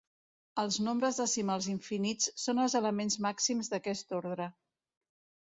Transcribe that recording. Els nombres decimals infinits són els elements màxims d'aquest ordre.